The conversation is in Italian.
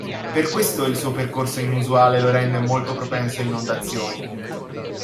Per questo il suo percorso inusuale lo rende molto propenso ad inondazioni.